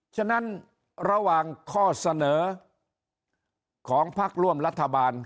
ฉะนั้นระหว่างข้อเสนอของพักร่วมรัฐบาล